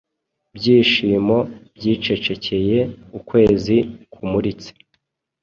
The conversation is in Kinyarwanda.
Byishimo byicecekeye ukwezi kumuritse